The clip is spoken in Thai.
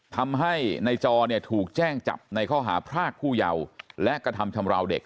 ทำให้ในจอเนี่ยถูกแจ้งจับในข้อหาพรากผู้เยาว์และกระทำชำราวเด็ก